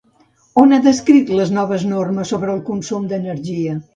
On ha descrit les noves normes sobre el consum d'energia?